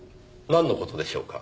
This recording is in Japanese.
なんの事でしょうか？